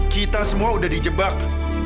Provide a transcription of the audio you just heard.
kita semua udah di jebak